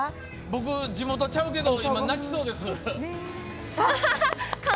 僕、地元ちゃうけど今、泣きそうです。